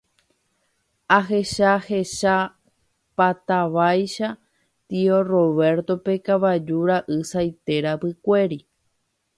Ahechahechapátavaicha tio Roberto-pe kavaju ra'y saite rapykuéri.